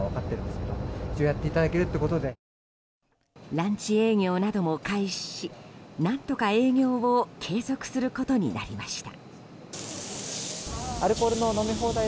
ランチ営業なども開始し何とか営業を継続することになりました。